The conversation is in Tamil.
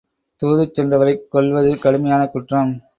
தூது சென்றவரைக் கொல்வது கடுமையான குற்றம்.